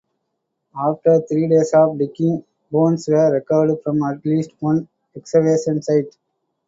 After three days of digging, bones were recovered from at least one excavation site.